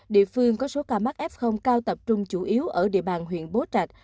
địa phương có số ca mắc f cao tập trung chủ yếu ở địa bàn huyện bố trạch